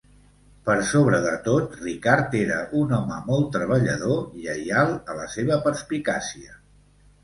Per sobre de tot, Ricard era un home molt treballador, lleial a la seva perspicàcia.